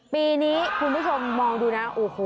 ปีนี้คุณผู้ชมมองดูนะ